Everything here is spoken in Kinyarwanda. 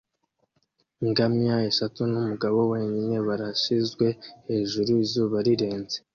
Ingamiya eshatu numugabo wenyine barashizwe hejuru izuba rirenze